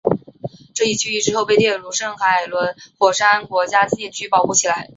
这一区域之后被列入圣海伦火山国家纪念区保护起来。